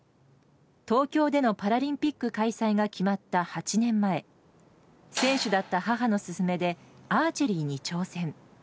東京でのパラリンピック開催が決まった８年前選手だった母の勧めでアーチェリーに挑戦。